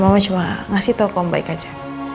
mama cuma ngasih tau om baik aja